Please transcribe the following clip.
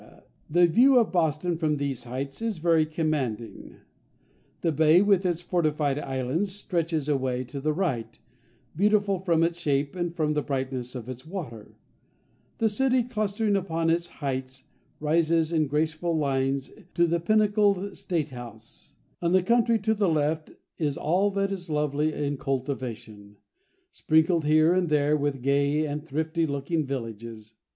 The view of Boston from these heights is very commanding. The bay, with its fortified islands, stretches away to the right, beautiful from its shape and from the brightness of its water; the city, clustering upon its heights, rises in graceful lines to the pinnacled State House; and the country to the left is all that is lovely in cultivation, sprinkled here and there with gay and thrifty looking villages.